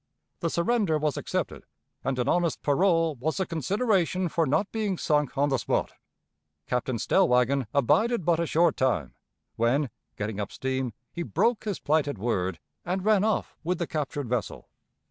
The surrender was accepted, and an honest parole was the consideration for not being sunk on the spot. Captain Stellwagen abided but a short time, when, getting up steam, he broke his plighted word, and ran off with the captured vessel.